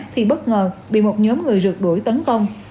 thì bất ngờ bị một nhóm người rượt đuổi tấn công